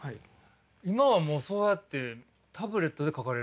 今はもうそうやってタブレットで描かれるんですか？